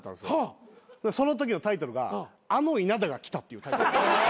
そのときのタイトルが「あの稲田が来た」っていう。